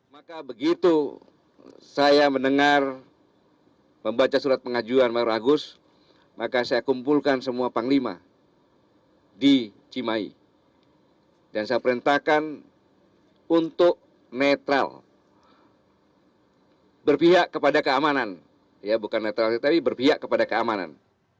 maka begitu saya mendengar membaca surat pengajuan pak agus maka saya kumpulkan semua panglima di cimai dan saya perintahkan untuk netral berpihak kepada keamanan